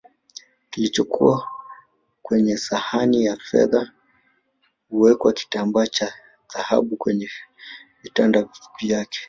kilichokula kwenye sahani za fedha na kuweka kitambaa cha dhahabu kwenye vitanda vyake